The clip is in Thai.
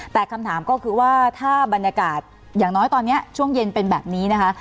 แต่คำถามก็คือว่าถ้าบรรยากาศอย่างน้อยตอนนี้ช่วงเย็นเป็นแบบนี้นะคะ